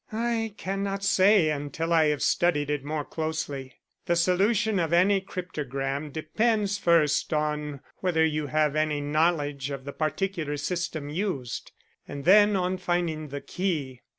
"I cannot say until I have studied it more closely. The solution of any cryptogram depends first on whether you have any knowledge of the particular system used, and then on finding the key.